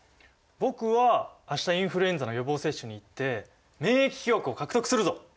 僕は明日インフルエンザの予防接種に行って免疫記憶を獲得するぞ！